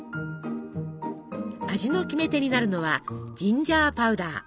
味のキメテになるのはジンジャーパウダー。